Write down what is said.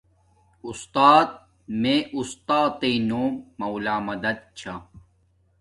اُستات میے اُستاتݵ نوم مولا مدد چھا